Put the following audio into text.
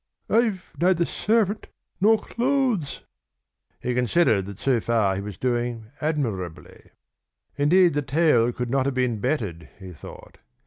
"I've neither servant nor clothes!" He considered that so far he was doing admirably. Indeed, the tale could not have been bettered, he thought.